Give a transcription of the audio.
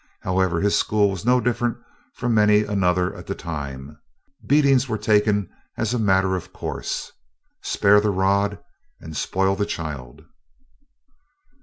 However, his school was no different from many another of the time. Beatings were taken as a matter of course. "Spare the rod and spoil the child!"